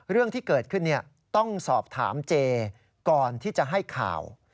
เรื่องที่เกิดขึ้นต้องสอบถามเจก่อนที่จะให้ข่าว